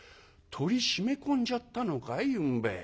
鳥閉め込んじゃったのかいゆんべ。